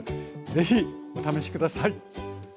ぜひお試し下さい。